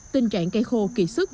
tình trạng cây khô kỳ sức